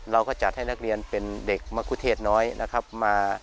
เราก็จัดให้นักเรียนเป็นเด็กมะคุเทศน้อยนะครับ